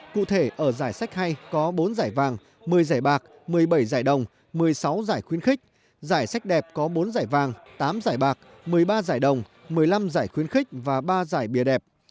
cụ thể ở giải sách hay có bốn giải vàng một mươi giải bạc một mươi bảy giải đồng một mươi sáu giải khuyến khích giải sách đẹp có bốn giải vàng tám giải bạc một mươi ba giải đồng một mươi năm giải khuyến khích và ba giải bìa đẹp